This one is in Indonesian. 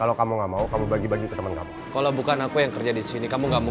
aku pasti bisa membeli obat itu